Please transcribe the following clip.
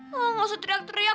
nggak usah teriak teriak